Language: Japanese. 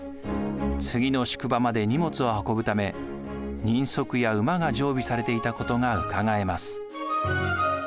次の宿場まで荷物を運ぶため人足や馬が常備されていたことがうかがえます。